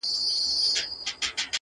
• زمری خپلي بې عقلۍ لره حیران سو -